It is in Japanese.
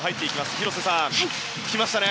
広瀬さん、来ましたね。